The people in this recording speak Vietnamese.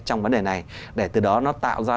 trong vấn đề này để từ đó nó tạo ra